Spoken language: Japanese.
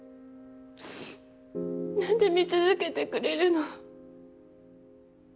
何で見続けてくれるの？